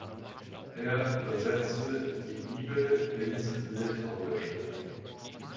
Er übersetzte die Bibel ins Litauische.